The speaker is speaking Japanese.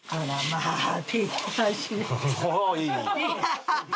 ハハハハ！